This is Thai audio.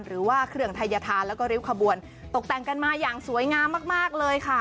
หรือว่าเครื่องทัยธานแล้วก็ริ้วขบวนตกแต่งกันมาอย่างสวยงามมากเลยค่ะ